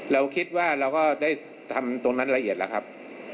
เราคิดว่าเราก็ได้ทำตรงนั้นละเอียดแล้วครับ